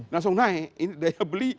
langsung naik ini daya beli